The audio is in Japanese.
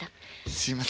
すいません。